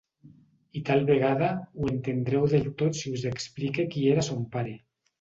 I tal vegada ho entendreu del tot si us explique qui era son pare.